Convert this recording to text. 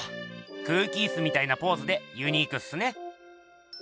空気イスみたいなポーズでユニークっすね。